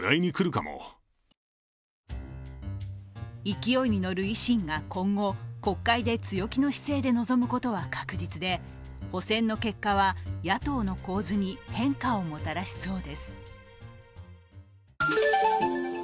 勢いに乗る維新が今後国会で強気の姿勢で臨むことは確実で補選の結果は野党の構図に変化をもたらしそうです。